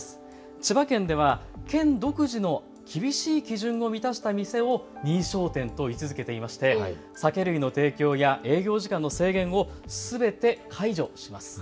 千葉県では県独自の厳しい基準を満たした店を認証店と位置づけていまして酒類の提供や営業時間の制限をすべて解除します。